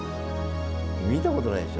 見たことないでしょ？